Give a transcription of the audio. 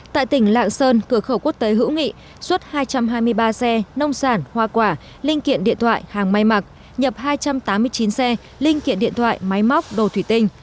tại tỉnh lạng sơn cửa khẩu quốc tế hữu nghị xuất hai trăm hai mươi ba xe nông sản hoa quả linh kiện điện thoại hàng may mặc nhập hai trăm tám mươi chín xe linh kiện điện thoại máy móc đồ thủy tinh